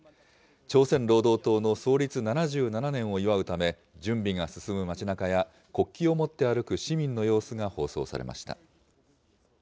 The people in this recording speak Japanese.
朝鮮労働党の創立７７年を祝うため準備が進む街なかや、国旗を持って歩く市民の様子が放送されました。